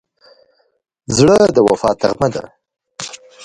زړه د وفا نغمه ده.